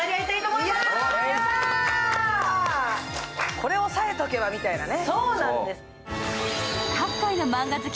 これを押さえておけば、みたいなね。